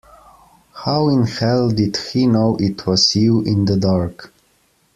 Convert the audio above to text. How in hell did he know it was you in the dark.